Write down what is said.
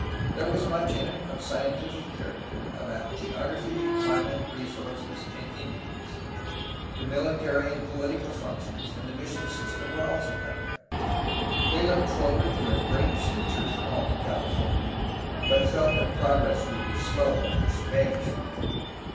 There was much in it of scientific character about geography, climate, resources, and Indians. The military and pohtical functions and the mission system were also covered. They looked forward to a great future for Alta California, but felt that progress would be slow under Spanish rule.